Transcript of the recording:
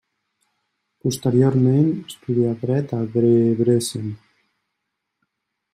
Posteriorment estudià dret a Debrecen.